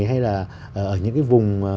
hay là ở những cái vùng